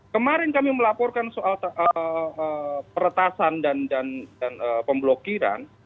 kemarin kami melaporkan soal peretasan dan pemblokiran